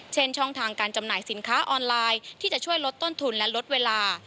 ช่องทางการจำหน่ายสินค้าออนไลน์ที่จะช่วยลดต้นทุนและลดเวลา